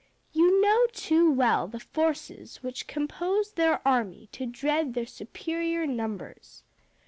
You know too well the forces which compose their army to dread their superior numbers.